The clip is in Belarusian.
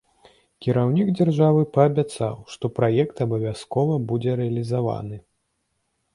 Кіраўнік дзяржавы паабяцаў, што праект абавязкова будзе рэалізаваны.